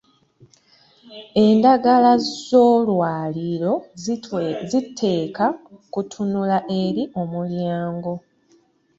Endagala z'olwaliiro ziteekwa kutunula eri omulyango.